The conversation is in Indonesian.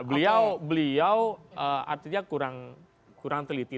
beliau artinya kurang teliti